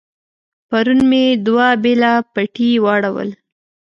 پرون مې دوه بېله پټي واړول.